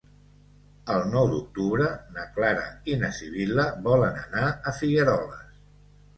El nou d'octubre na Clara i na Sibil·la volen anar a Figueroles.